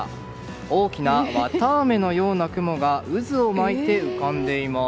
大きな綿あめのような雲が渦を巻いて浮かんでいます。